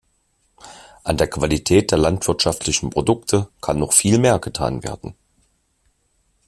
An der Qualität der landwirtschaftlichen Produkte kann noch viel mehr getan werden.